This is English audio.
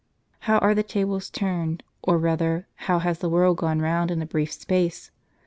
How are the tables turned ; or, rather, how has the world gone round in a brief space